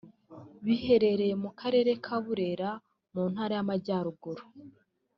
biherereye mu karere ka Burera mu ntara y’ Amajyaruguru